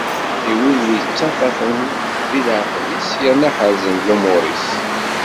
I wid yettaṭṭafen di leɛqed-is yerna ḥerrzen lumuṛ-is.